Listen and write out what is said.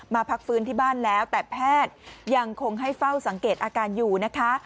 พักฟื้นที่บ้านแล้วแต่แพทย์ยังคงให้เฝ้าสังเกตอาการอยู่นะคะ